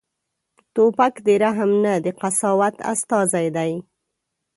توپک د رحم نه، د قساوت استازی دی.